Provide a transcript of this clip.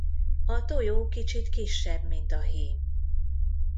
A tojó kicsit kisebb mint a hím.